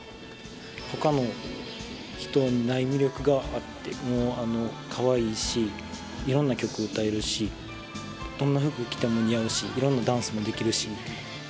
ほかの人にない魅力があって、かわいいし、いろんな曲歌えるし、どんな服着ても似合うし、いろんなダンスもできるし。